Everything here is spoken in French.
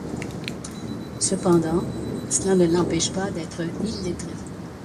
Cependant, cela ne l’empêche pas d'être illettré.